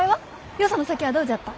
よその酒はどうじゃった？